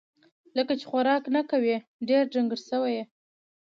لکه چې خوراک نه کوې ، ډېر ډنګر سوی یې